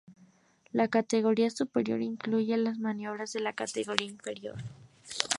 La categoría superior incluye las maniobras de las categorías inferiores.